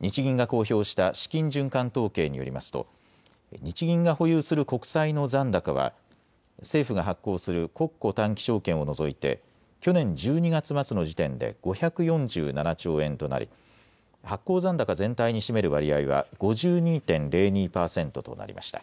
日銀が公表した資金循環統計によりますと日銀が保有する国債の残高は政府が発行する国庫短期証券を除いて去年１２月末の時点で５４７兆円となり発行残高全体に占める割合は５２．０２％となりました。